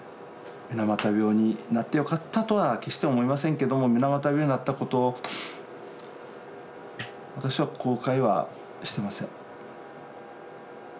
水俣病になってよかったとは決して思いませんけども水俣病になったことを私は後悔はしてません。